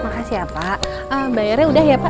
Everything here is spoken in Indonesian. makasih ya pak bayarnya udah ya pak